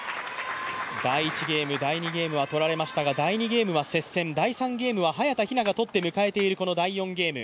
第１ゲーム、第２ゲームは取られましたが、第２ゲームは接戦、第３ゲームは早田ひなが取って迎えているこの第４ゲーム。